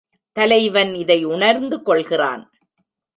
தலைவன் இதை உணர்ந்து கொள்கிறான்.